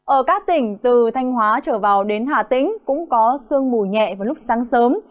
ở các tỉnh từ thanh hóa trở vào đến hà tĩnh cũng có sương mù nhẹ vào lúc sáng sớm